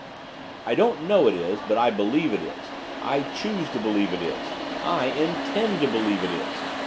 'I don't know it is, but I believe it is, I choose to believe it is! I intend to believe it is!